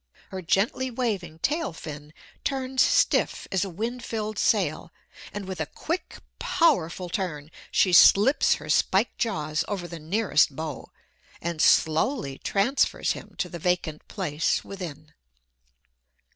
Her gently waving tail fin turns stiff as a wind filled sail, and with a quick, powerful turn she slips her spiked jaws over the nearest beau, and slowly transfers him to the vacant place within.